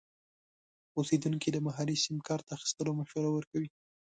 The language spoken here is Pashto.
اوسیدونکي د محلي سیم کارت اخیستلو مشوره ورکوي.